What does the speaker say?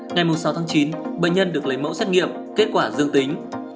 ngày sáu tháng chín bệnh nhân được lấy mẫu xét nghiệm kết quả dương tính